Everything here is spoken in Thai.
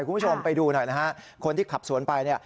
คุณผู้ชมไปดูหน่อยคนที่ขับสวนไป